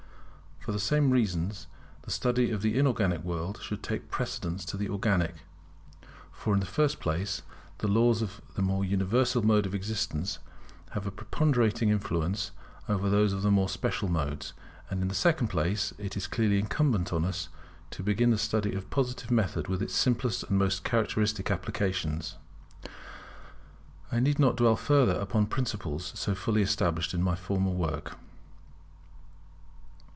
For the same reasons, the study of the inorganic world should take precedence of the organic. For, in the first place, the laws of the more universal mode of existence have a preponderating influence over those of the more special modes; and in the second place it is clearly incumbent on us to begin the study of the Positive method with its simplest and most characteristic applications. I need not dwell further upon principles so fully established in my former work.